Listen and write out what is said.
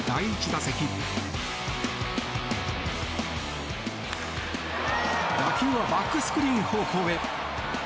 打球はバックスクリーン方向へ。